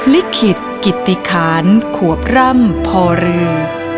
ลิขิตกิติคารขวบร่ำพอเรือ